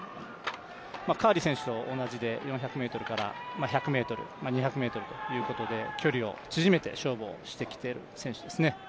カーリー選手と同じで４００ｍから１００ｍ、２００ｍということで距離を縮めて勝負をしてきている選手ですね。